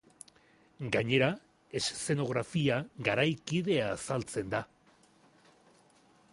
Gainera, eszenografia garaikidea azaltzen da.